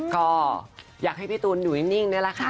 ก็อยากให้พี่ตูนอยู่นิ่งนี่แหละค่ะ